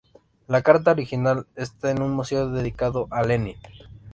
La carta original está en un museo dedicado a Lenin.